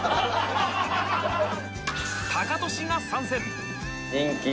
タカトシが参戦！